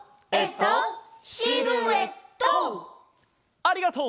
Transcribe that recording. ありがとう！